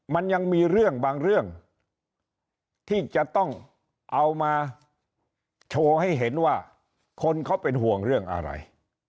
มันยังมีเรื่องบางเรื่องที่จะต้องเอามาโชว์ให้เห็นว่าคนเขาเป็นห่วงเรื่องอะไร